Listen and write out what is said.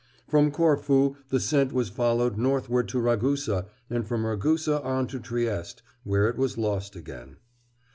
From Corfu the scent was followed northward to Ragusa, and from Ragusa, on to Trieste, where it was lost again.